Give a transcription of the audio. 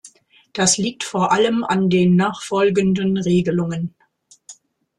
Das liegt vor allem an den nachfolgenden Regelungen.